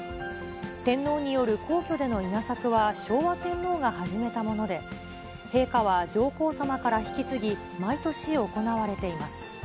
天皇による皇居での稲作は昭和天皇が始めたもので、陛下は上皇さまから引き継ぎ、毎年行われています。